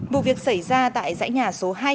vụ việc xảy ra tại dãy nhà số hai